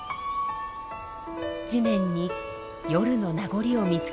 地面に夜の名残を見つけました。